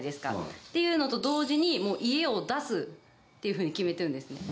っていうのと同時に、もう家を出すっていうふうに決めてるんですね。